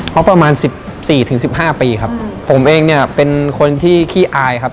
เพราะประมาณสิบสี่ถึงสิบห้าปีครับผมเองเนี่ยเป็นคนที่ขี้อายครับ